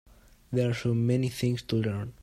There are so many things to learn.